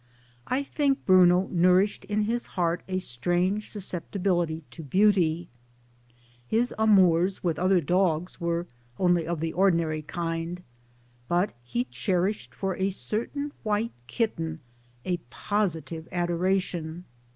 I think Bruno nourished in his heart a strange susceptibility to beauty. His amours with other dogs were only of the ordinary kind ; but he cherished for a certain white kitten a positive adoration.